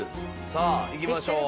さあいきましょう。